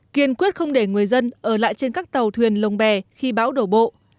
kiên quyết không để người dân ở lại trên các tàu thuyền lồng bè khi bão đổ bộ